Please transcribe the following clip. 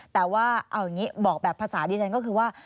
แต่ว่าเอาอย่างนี้บอกแบบภาษาดิฉันก็คือว่า